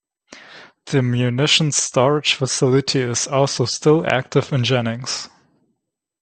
The munitions storage facility is also still active in Jennings.